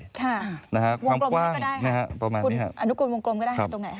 วงกลมนี้ก็ได้ครับคุณอนุกรวงกลมก็ได้